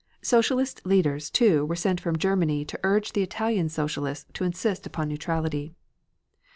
Socialist leaders, too, were sent from Germany to urge the Italian Socialists to insist upon neutrality.